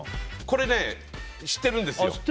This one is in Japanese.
これね、知ってるんですよ。